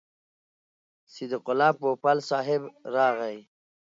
صدیق الله پوپل صاحب راغی.